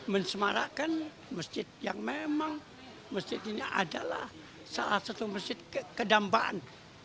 mensemarakan masjid yang memang masjid ini adalah salah satu masjid kedampaan